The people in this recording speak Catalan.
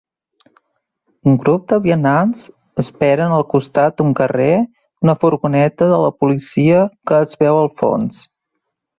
Un grup de vianants esperen al costat d'un carrer una furgoneta de la policia que es veu al fons.